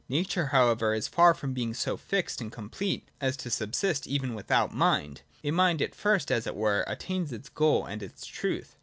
Nature however is far from being so fixed and complete, as to subsist even without Mind : in Mind it first, as it were, attains its goal and its truth.